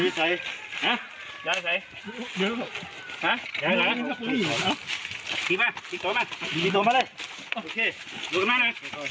มนุษยีรับมาทดทวง